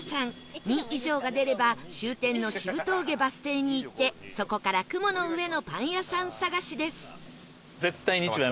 ２以上が出れば終点の渋峠バス停に行ってそこから雲の上のパン屋さん探しです